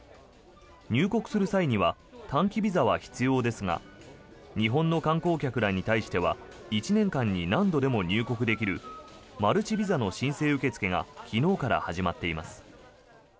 入国する際には短期ビザは必要ですが日本の観光客らに対しては１年間に何度でも入国できるマルチビザの申請受け付けが昨日から始まっています。